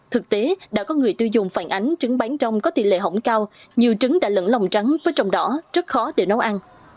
thực tế đã có người tiêu dùng phản ánh trứng bán trong có tỷ lệ hỏng cao nhiều trứng đã lẫn lòng trắng với trồng đỏ rất khó để nấu ăn